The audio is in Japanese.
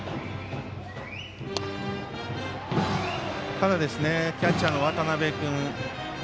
ただキャッチャーの渡辺君